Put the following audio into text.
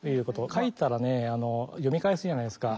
書いたらね読み返すじゃないですか。